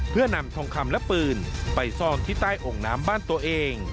เพื่อนำทองคำและปืนไปซ่อนที่ใต้องค์น้ำบ้านตัวเอง